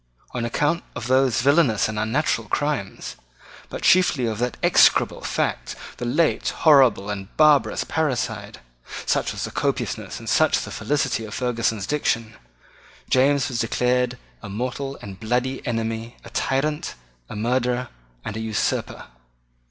On account of those villanous and unnatural crimes, but chiefly of that execrable fact, the late horrible and barbarous parricide, such was the copiousness and such the felicity of Ferguson's diction, James was declared a mortal and bloody enemy, a tyrant, a murderer, and an usurper.